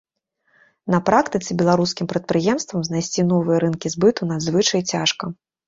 На практыцы беларускім прадпрыемствам знайсці новыя рынкі збыту надзвычай цяжка.